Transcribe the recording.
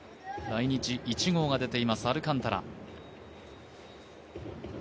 来日１号が出ています、アルカンタラ。